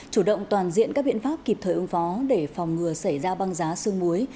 chủ động toàn diện các biện pháp kịp thời ứng phó để phòng ngừa xảy ra băng giá xương muối